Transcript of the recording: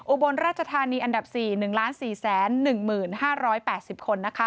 อุบลราชธานีอันดับ๔๑๔๑๕๘๐คน